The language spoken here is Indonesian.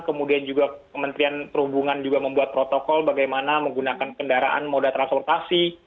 kemudian juga kementerian perhubungan juga membuat protokol bagaimana menggunakan kendaraan moda transportasi